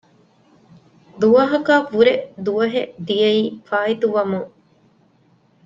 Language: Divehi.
ދުވަހަކަށްވުރެ ދުވަހެއް ދިޔައީ ފާއިތުވަމުން